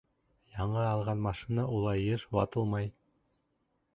— Яңы алған машина улай йыш ватылмай.